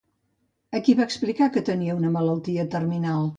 A qui va explicar que tenia una malaltia terminal?